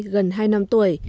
gần hai năm tuổi